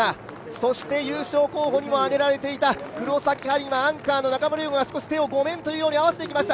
そして優勝候補にも挙げられていた黒崎播磨、アンカーの中村優吾が、手をごめんというふうに合わせてきました。